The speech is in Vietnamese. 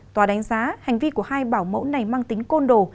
tòa đánh giá hành vi của hai bảo mẫu này mang tính côn đồ